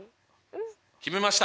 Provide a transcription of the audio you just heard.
決めました。